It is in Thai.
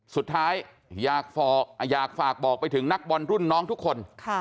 สุดท้ายอยากฝากบอกไปถึงนักบอลรุ่นน้องทุกคน